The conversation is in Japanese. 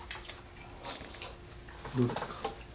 どうですか？